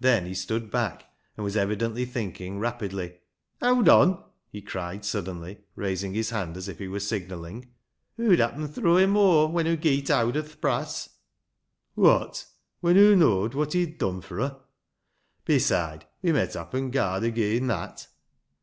Then he stood back, and was evidently thinking rapidly. " Howd on !" he cried suddenly, raising his hand as if he were signalling. " Hoo'd happen throw him o'er when hoo geet howd o' th' brass." " Wot ! When hoo knowed wot he'd done fur her? Beside, we met happen guard ageean that."